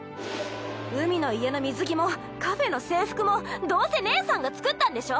海の家の水着もカフェの制服もどうせ姉さんが作ったんでしょ？